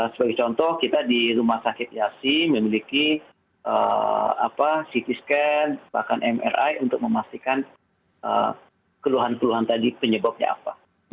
sebagai contoh kita di rumah sakit yasi memiliki ct scan bahkan mri untuk memastikan keluhan keluhan tadi penyebabnya apa